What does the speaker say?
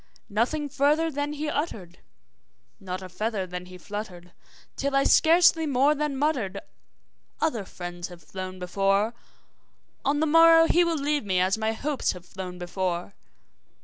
Nothing further then he uttered not a feather then he fluttered Till I scarcely more than muttered `Other friends have flown before On the morrow he will leave me, as my hopes have flown before.'